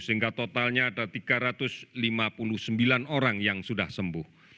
sehingga totalnya ada tiga ratus lima puluh sembilan orang yang sudah sembuh